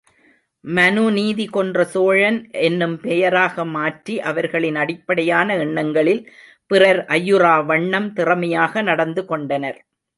மனுநீதி கொன்ற சோழன் என்னும் பெயராக மாற்றி, அவர்களின் அடிப்படையான எண்ணங்களில் பிறர் ஐயுறா வண்ணம் திறமையாக நடந்துகொண்டனர்.